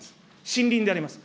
森林であります。